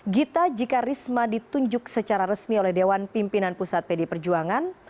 gita jika risma ditunjuk secara resmi oleh dewan pimpinan pusat pd perjuangan